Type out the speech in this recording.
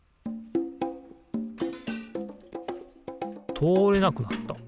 とおれなくなった。